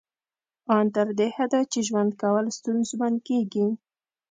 ان تر دې حده چې ژوند کول ستونزمن کیږي